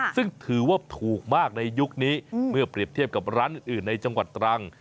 ซึ่งถือว่าถูกมากในยุคนี้เมื่อเปรียบเทียบกับร้านอื่นในจังหวัดตรัง